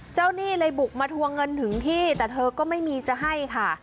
หนี้เลยบุกมาทวงเงินถึงที่แต่เธอก็ไม่มีจะให้ค่ะ